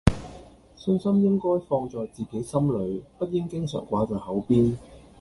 信心應該放在自己心裡，不應經常掛在口邊